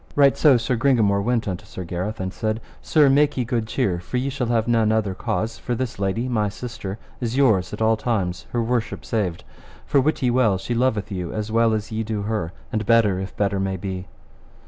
Right so Sir Gringamore went unto Sir Gareth, and said, Sir, make ye good cheer, for ye shall have none other cause, for this lady, my sister, is yours at all times, her worship saved, for wit ye well she loveth you as well as ye do her, and better if better may be.